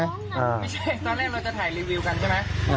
ไม่ใช่ตอนแรกเราจะถ่ายรีวิวกันใช่ไหม